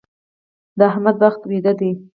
د احمد بخت ويده دی.